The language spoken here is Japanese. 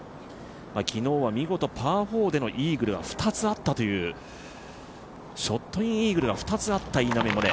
昨日は見事パー４でのイーグルが２つあったという、ショットイン・イーグルが２つあった稲見萌寧。